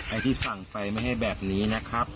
ไอ้ที่สั่งไปไม่ให้แบบนี้นะครับ